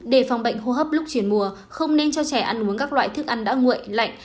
để phòng bệnh hô hấp lúc chuyển mùa không nên cho trẻ ăn uống các loại thức ăn đã nguội lạnh